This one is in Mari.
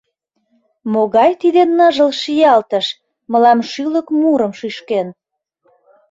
Могай тиде ныжыл шиялтыш Мылам шӱлык мурым шӱшкен?